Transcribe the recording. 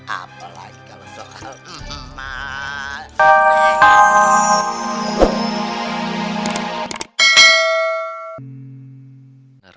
apalagi kalau soal emas